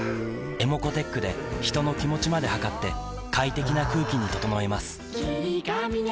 ｅｍｏｃｏーｔｅｃｈで人の気持ちまで測って快適な空気に整えます